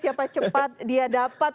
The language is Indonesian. siapa cepat dia dapat